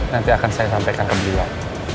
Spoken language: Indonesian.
nanti akan saya sampaikan ke beliau